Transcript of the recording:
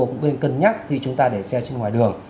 cũng nên cân nhắc khi chúng ta để xe trên ngoài đường